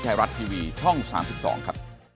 ไทยรัฐทีวีช่อง๓๒ครับ